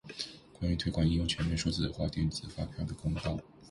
关于推广应用全面数字化电子发票的公告